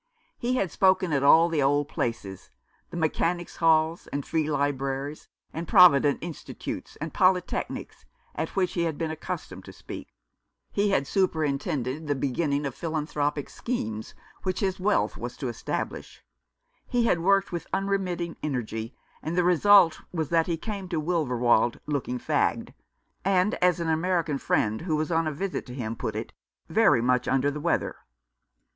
He had spoken at all the old places, the Mechanics' Halls, and Free Libraries, and Provider^ Institutes, and Polytechnics, at which he had been accustomed to speak ; he had superintended the beginning of philanthropic schemes which his wealth was to 319 Rough Justice. establish. He had worked with unremitting energy ; and the result was that he came to Wilverwold looking fagged, and as an American friend who was on a visit to him put it, very much under the weather.